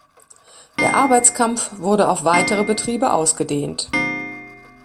Der Arbeitskampf wurde auf weitere Betriebe ausgedehnt.